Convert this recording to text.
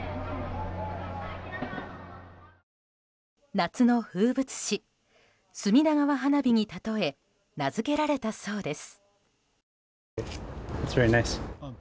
夏の風物詩、隅田川花火に例え名づけられたそうです。